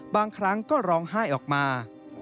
บางครั้งก็ร้องไห้ออกมา